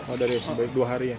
oh dari dua hari ya